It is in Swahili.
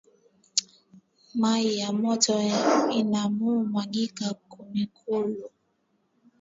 Mayi ya moto ina mu mwangikia kumikulu